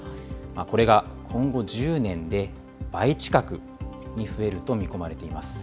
これが今後１０年で、倍近くに増えると見込まれています。